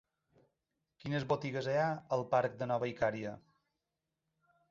Quines botigues hi ha al parc de Nova Icària?